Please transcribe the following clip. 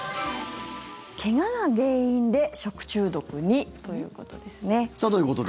怪我が原因で食中毒にということですね。